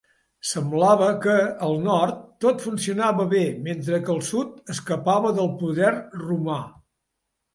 Semblava que, al nord, tot funcionava bé mentre que el sud escapava del poder romà.